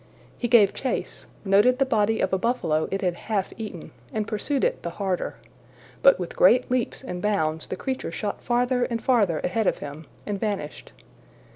He gave chase, noted the body of a buffalo it had half eaten, and pursued it the harder. But with great leaps and bounds the creature shot farther and farther ahead of him, and vanished.